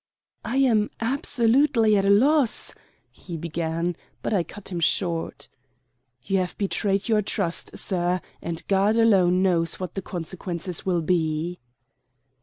"I am absolutely at a loss " he began; but I cut him short. "You have betrayed your trust, sir, and God alone knows what the consequences will be."